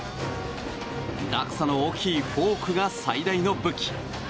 落差の大きいフォークが最大の武器。